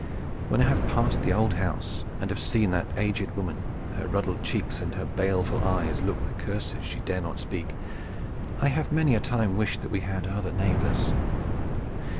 When I have passed the old house and have seen that aged woman with her ruddled cheeks and her baleful eyes look the curses she dare not speak, I have many a time wished that we had other neighbors."